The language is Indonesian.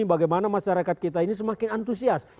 bagaimana masyarakat kita ini semakin antusias